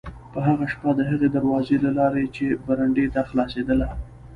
په هغه شپه د هغې دروازې له لارې چې برنډې ته خلاصېدله.